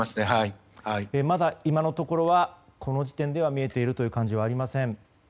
まだ今のところ、この時点で見えている感じはありません。